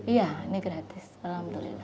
iya ini gratis alhamdulillah